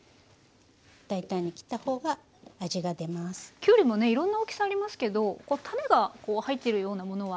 きゅうりもねいろんな大きさありますけど種が入っているようなものは。